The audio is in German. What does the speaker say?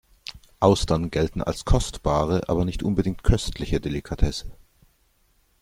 Austern gelten als kostbare aber nicht unbedingt köstliche Delikatesse.